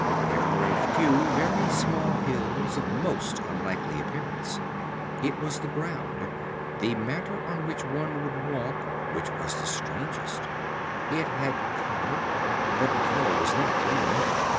There were a few very small hills of most unlikely appearance. It was the ground, the matter on which one would walk, which was strangest. It had color, but the color was not green.